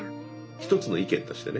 一つの意見としてね。